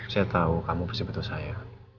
saya tahu kamu pasti betul saya